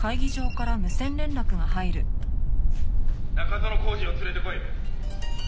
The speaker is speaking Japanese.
「中園宏司を連れてこい！」